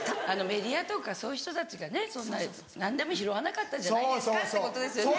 メディアとかそういう人たちがね何でも拾わなかったじゃないですかってことですよね。